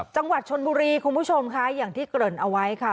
จังหวัดชนบุรีคุณผู้ชมค่ะอย่างที่เกริ่นเอาไว้ค่ะ